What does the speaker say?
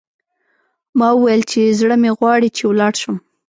ما وویل چې، زړه مې غواړي چې ولاړ شم.